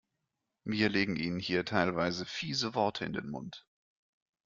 Wir legen Ihnen hier teilweise fiese Worte in den Mund.